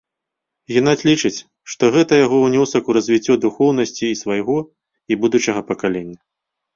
Генадзь лічыць, што гэта яго ўнёсак у развіццё духоўнасці і свайго, і будучага пакалення.